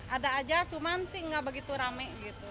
ada aja cuman sih nggak begitu rame gitu